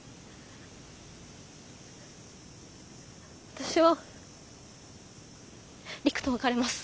私は陸と別れます。